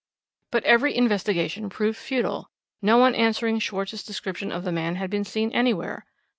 "But every investigation proved futile; no one answering Schwarz's description of the man had been seen anywhere.